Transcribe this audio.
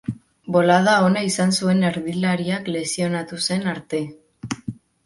Bolada ona izan zuen erdilariak lesionatu zen arte.